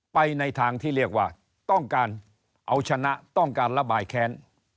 ไปในทางที่เรียกว่าต้องการเอาชนะต้องการระบายแค้น